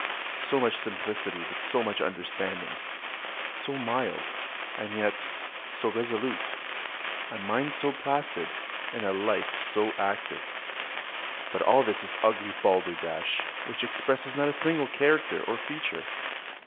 So much simplicity with so much understanding so mild, and yet so resolute a mind so placid, and a life so active. But all this is ugly balderdash, which expresses not a single character nor feature.